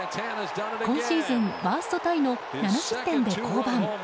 今シーズンワーストタイの７失点で降板。